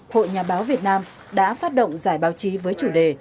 hội nhà báo việt nam đã phát động giải báo chí với chủ đề